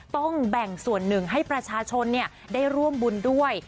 ต้องแบ่งส่วนหนึ่งให้ประชาชนได้ร่วมบุญด้วย